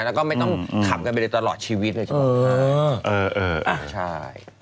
แล้วก็ไม่ต้องขำกันไปเลยตลอดชีวิตเลยใช่ไหม